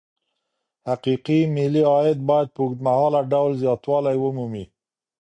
حقيقي ملي عايد بايد په اوږدمهاله ډول زياتوالی ومومي.